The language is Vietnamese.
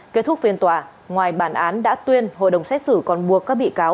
kết thúc phiên tòa ngoài bản án đã tuyên hội đồng xét xử còn buộc các bị cáo